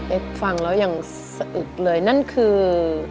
เอ๊ะฟังเราอย่างสะอึกเลยนั่นคือ